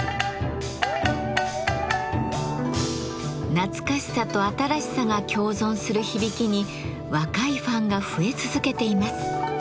懐かしさと新しさが共存する響きに若いファンが増え続けています。